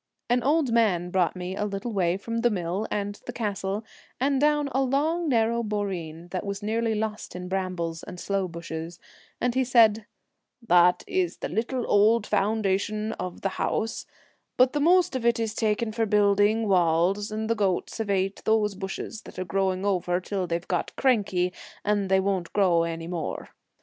An old man brought me a little way from the mill and the castle, and down a long, narrow boreen that was nearly lost in brambles and sloe bushes, and he said, ' That is the little old foundation of the house, but the most of it is taken for building walls, and the goats have ate those bushes that are growing over it till they've got cranky, and they won't grow any more.